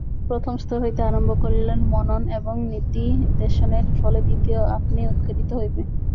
প্রথম স্তর হইতে আরম্ভ করিলে মনন এবং নিদিধ্যাসনের ফলে দ্বিতীয়টি আপনিই উদ্ঘাটিত হইবে।